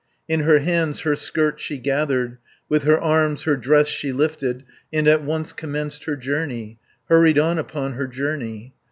In her hands her skirt she gathered, With her arms her dress she lifted, 50 And at once commenced her journey, Hurried on upon her journey.